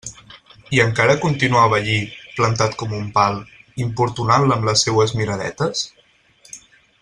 I encara continuava allí, plantat com un pal, importunant-la amb les seues miradetes?